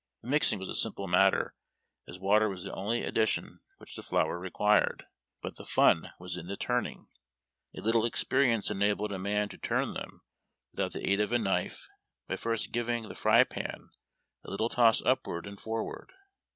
The mixing was a simple mat ter, as water was the only ad dition which the flour required, but the fun was in the turning. A little experience enabled a man to turn them without the aid of a knife, by first giving the fry pan a little toss upward and forward.